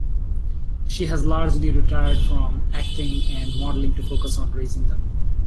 She has largely retired from acting and modelling to focus on raising them.